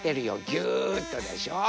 ぎゅっとでしょ。